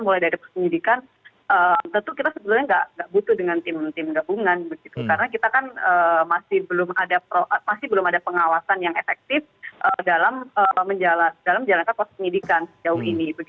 mulai dari penyidikan tentu kita sebetulnya nggak butuh dengan tim gabungan karena kita kan masih belum ada pengawasan yang efektif dalam menjalankan proses penyidikan sejauh ini